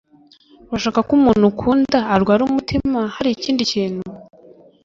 urashaka ko umuntu ukunda arwara umutima hari ikindi kintu